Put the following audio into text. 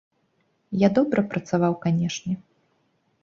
Я добра працаваў, канечне.